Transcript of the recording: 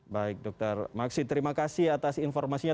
baik dokter maksi terima kasih atas informasinya